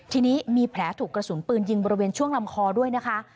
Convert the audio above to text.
ทีนี้มีแผลถูกกระสุนปืนยิงบริเวณช่วงลำคอด้วยนะคะ